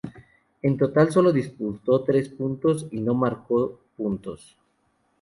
En total solo disputó tres partidos y no marcó puntos.